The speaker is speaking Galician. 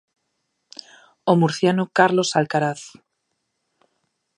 O murciano Carlos Alcaraz.